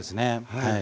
はい。